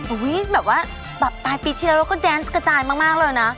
แบบว่าแบบตายปีเชียวแล้วก็แดนส์กระจายมากเลยนะ